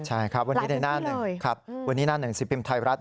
ใช่ครับวันนี้หน้าหนึ่งสิทธิ์พิมพ์ไทยรัฐ